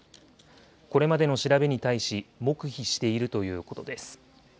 これまでの調べに対し黙秘しているということです。